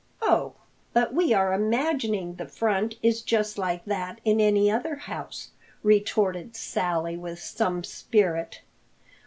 "Oh, but we are imagining the front is just like that in any other house!" retorted Sally with some spirit.